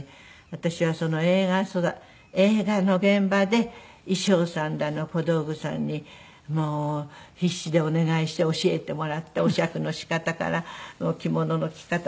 私はその映画の現場で衣装さんだの小道具さんにもう必死でお願いして教えてもらってお酌の仕方から着物の着方から何から。